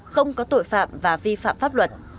không có tội phạm và vi phạm pháp luật